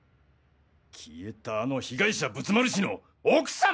消えたあの被害者仏丸氏の奥様！？